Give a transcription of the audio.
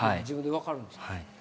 自分で分かるんですか？